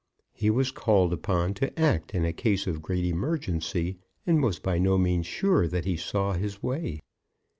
He was called upon to act in a case of great emergency, and was by no means sure that he saw his way.